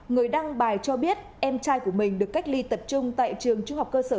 người đăng bài cho biết em trai của mình được cách ly tập trung tại trường trung học cơ sở